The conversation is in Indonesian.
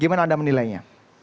gimana anda menilainya